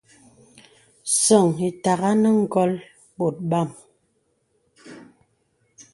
Sɔ̄ŋ itāgā nə ngɔ̀l bòt bam.